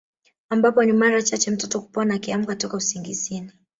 Ambapo ni mara chache mtoto kupona akiamka toka usingizini